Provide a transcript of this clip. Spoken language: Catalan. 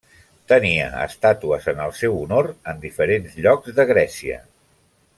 Tenia estàtues en el seu honor en diferents llocs de Grècia.